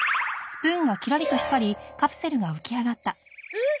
えっ？